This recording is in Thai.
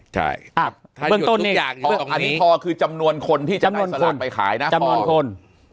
ใช่เบื้องต้นอันนี้พอคือจำนวนคนที่จะนำสลากไปขายนะจำนวนคน